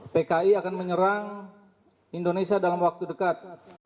pki akan menyerang indonesia dalam waktu dekat